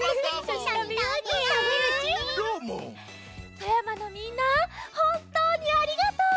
富山のみんなほんとうにありがとう！